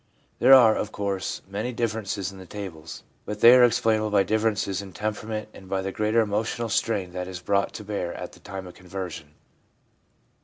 There are, of course, many differences in the tables, but they are explainable by differences in temperament and by the greater emotional strain that is brought to bear at the time of conversion.